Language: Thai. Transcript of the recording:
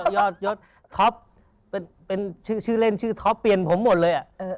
ยอดยศท็อปเป็นชื่อเล่นชื่อท็อปเปลี่ยนผมหมดเลย